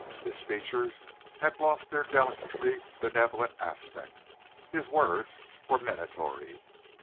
His features had lost their delicately benevolent aspect; his words were minatory.